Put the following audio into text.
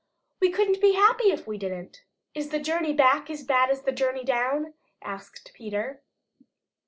We couldn't be happy if we didn't." "Is the journey back as bad as the journey down?" asked Peter.